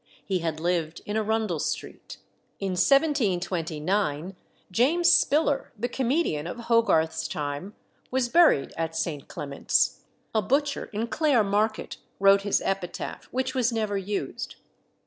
He had lived in Arundel Street. In 1729 James Spiller, the comedian of Hogarth's time, was buried at St. Clement's. A butcher in Clare Market wrote his epitaph, which was never used.